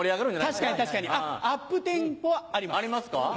確かに確かにアップテンポあります。ありますか？